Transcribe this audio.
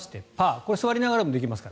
これは座りながらでもできますから。